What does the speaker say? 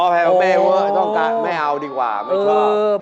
อ๋อแพลวว่าไม่ต้องการไม่เอาดีกว่าไม่ชอบ